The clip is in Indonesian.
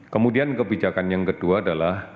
kemudian kebijakan yang kedua adalah